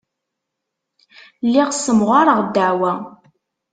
Lliɣ ssemɣareɣ ddeɛwa.